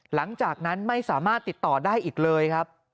หลังจากนั้นไม่สามารถติดต่อได้อีกเลยครับ